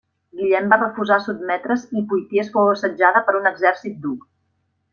Guillem va refusar sotmetre's i Poitiers fou assetjada per un exèrcit d'Hug.